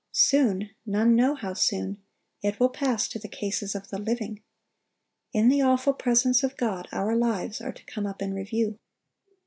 Soon—none know how soon—it will pass to the cases of the living. In the awful presence of God our lives are to come up in review.